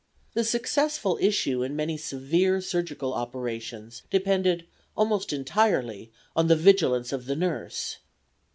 The successful issue in many severe surgical operations depended almost entirely on the vigilance of the nurse.